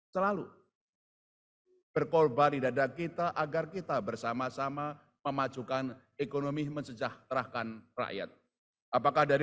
selalu berkorban di dada kita agar kita bersama sama memajukan ekonomi mensejahterakan rakyat apakah dari